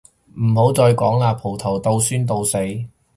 唔好再講喇，葡萄到酸到死